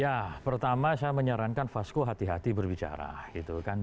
ya pertama saya menyarankan fasko hati hati berbicara gitu kan